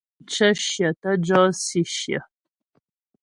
Pú cə́ shyə tə́ jɔ si shyə.